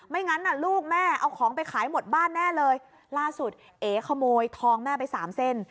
งั้นน่ะลูกแม่เอาของไปขายหมดบ้านแน่เลยล่าสุดเอ๋ขโมยทองแม่ไปสามเส้น